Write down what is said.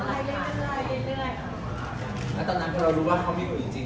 แล้วตอนนั้นเพราะเรารู้ว่าเขามีคนจริง